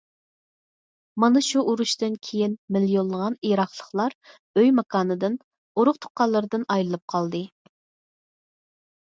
مانا شۇ ئۇرۇشتىن كېيىن مىليونلىغان ئىراقلىقلار ئۆي- ماكانىدىن، ئۇرۇق- تۇغقانلىرىدىن ئايرىلىپ قالدى.